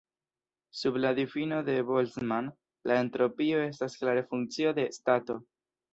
Sub la difino de Boltzmann, la entropio estas klare funkcio de stato.